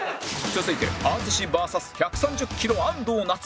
続いて淳 ＶＳ１３０ キロ安藤なつ